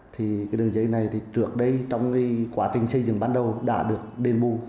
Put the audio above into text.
thì đường dây này trước đây trong quá trình xây dựng ban đầu đã được đền bù